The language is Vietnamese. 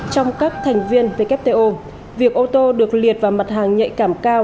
trong các thành viên wto việc ô tô được liệt vào mặt hàng nhạy cảm cao